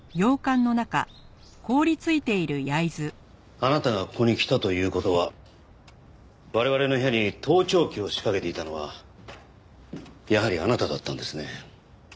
あなたがここに来たという事は我々の部屋に盗聴器を仕掛けていたのはやはりあなただったんですね。